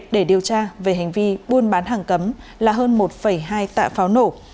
để điều tra về hành vi buôn bán hàng cấm là hơn một hai tạ pháo nổ